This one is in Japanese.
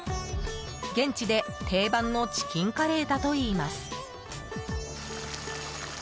現地で定番のチキンカレーだといいます。